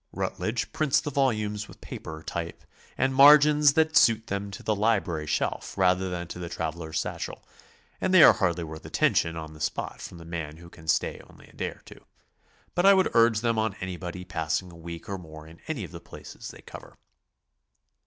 Routledge prints the vol umes with paper, type and margins that suit them to the library shelf rather than to the traveler's satchel, and they are hardly worth attention on the spot from the man who can stay only a day or two, but I would urge them on anybody passing a week or more in any of the places they cover.